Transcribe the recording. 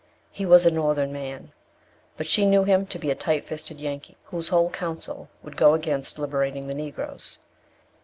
He was a Northern man, but she knew him to be a tight fisted yankee, whose whole counsel would go against liberating the Negroes.